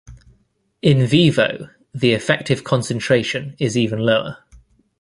"In vivo" the effective concentration is even lower.